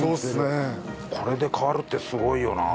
これで変わるってすごいよな。